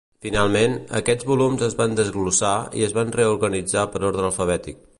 Finalment, aquests volums es van desglossar i es van reorganitzar per ordre alfabètic.